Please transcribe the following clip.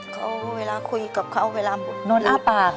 เขาเวลาคุยกับเขาเวลานอนอ้าปาก